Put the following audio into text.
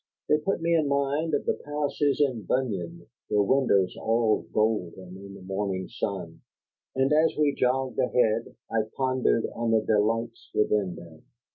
They put me in mind of the palaces in Bunyan, their windows all golden in the morning sun; and as we jogged ahead, I pondered on the delights within them.